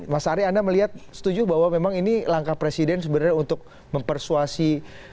mas ari anda melihat setuju bahwa memang ini langkah presiden sebenarnya untuk mempersuasi